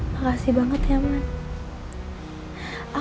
makasih banget ya man